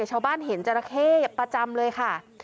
ชาวบ้านเห็นจราเข้ประจำเลยค่ะ